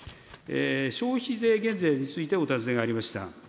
消費税減税についてお尋ねがありました。